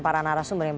saya akan mulai oke